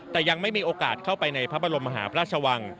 แต่ยังไม่มีโอกาสเข้าไปในพระบรมมหาพระราชวัง